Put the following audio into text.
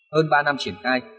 hơn ba năm triển khai